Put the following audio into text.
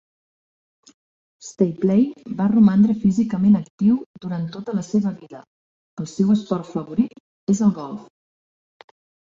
Stapley va romandre físicament actiu durant tota la seva vida, el seu esport favorit és el golf.